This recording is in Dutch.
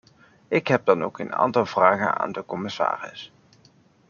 Ik heb dan ook een aantal vragen aan de commissaris.